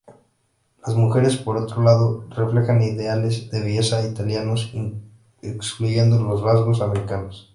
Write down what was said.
Las mujeres, por otro lado, reflejan ideales de belleza italianos, excluyendo los rasgos americanos.